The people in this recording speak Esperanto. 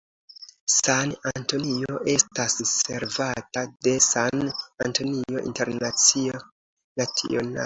San-Antonio estas servata de la San Antonio International Airport.